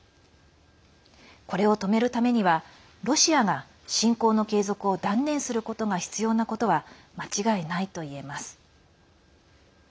これを止めるためにはロシアが侵攻の継続を断念することが必要なことは間違いないといえます。